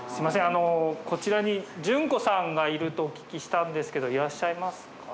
あのこちらに純子さんがいるとお聞きしたんですけどいらっしゃいますか？